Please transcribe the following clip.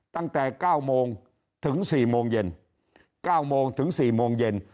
ตั้งแต่๙โมงถึง๔โมงเย็น๙โมงถึง๔โมงเย็น